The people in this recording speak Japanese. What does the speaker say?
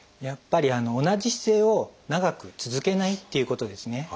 やっぱり同じ姿勢を長く続けないっていうことですね。